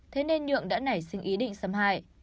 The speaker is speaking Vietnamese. thế nên nhượng đã nảy sinh ý định xâm hại